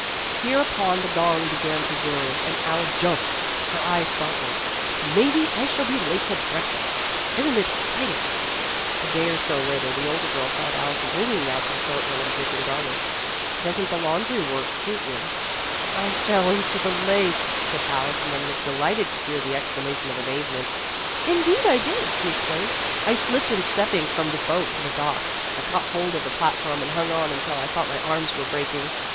Hereupon the gong began to whir, and Alice jumped. Her eyes sparkled. " Maybe I shall be late to breakfast ! Is n't it exciting !" A day or so later, the older girl found Alice wringing out an assortment of dripping garments. " Does n't the laundry work suit you ?"" I fell into the lake," said Alice, and then looked delighted to hear the excla mation of amazement. " Indeed I did," In Search of Experience 9 she explained ;" I slipped in stepping from the boat to the dock. I caught hold of the platform and hung on until I thought my arms were breaking.